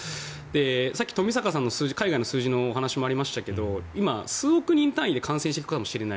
さっき冨坂さんの海外の数字のお話もありましたが今、数億人単位で感染するかもしれない。